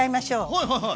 はいはいはい。